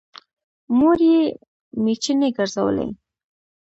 مور يې مېچنې ګرځولې